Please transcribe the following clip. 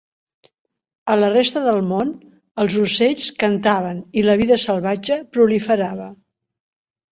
A la resta del món, els ocells cantaven i la vida salvatge proliferava.